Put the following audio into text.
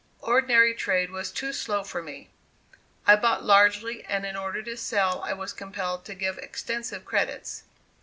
Ordinary trade was too slow for me. I bought largely and in order to sell I was compelled to give extensive credits.